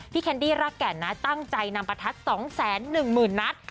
พี่แคนดี้รากแก่นนะตั้งใจนำประทัด๒แสน๑หมื่นนัด